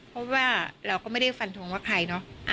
เพราะว่าเราก็ไม่ได้ฟันทงว่าใครเนอะ